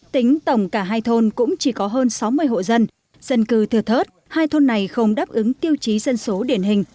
tính tổng cả hai thôn cũng chỉ có hơn sáu mươi hộ dân dân cư thừa thớt hai thôn này không đáp ứng tiêu chí dân số điển hình